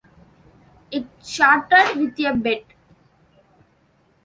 It started with a bet.